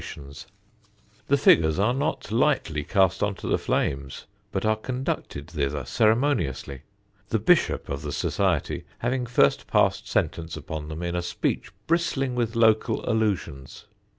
[Sidenote: LEWES ROUSERS] The figures are not lightly cast upon the flames, but are conducted thither ceremoniously, the "Bishop" of the society having first passed sentence upon them in a speech bristling with local allusions.